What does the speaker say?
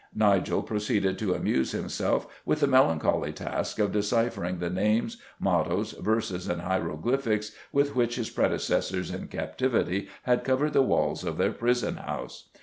Nigel proceeded to amuse himself with the melancholy task of deciphering the names, mottoes, verses and hieroglyphics with which his predecessors in captivity had covered the walls of their prison house.